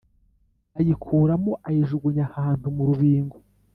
ayikuramo ayijugunya ahantu mu rubingo